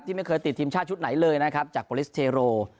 ไม่เคยติดทีมชาติชุดไหนเลยนะครับจากโปรลิสเทโร